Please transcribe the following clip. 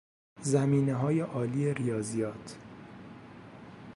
زمینههای عالی ریاضیات